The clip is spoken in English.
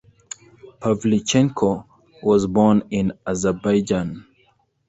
Pavlichenko was born in Azerbaijan.